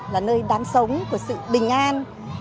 là nơi đáng sống của sự bình an